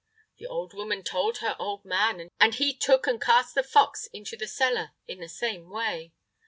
The old woman told her old man, and he took and cast the fox into the cellar in the same way.